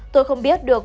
tôi không biết được